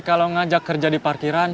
kalau ngajak kerja di parkiran